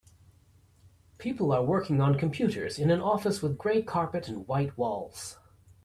People are working on computers in an office with gray carpet and white walls.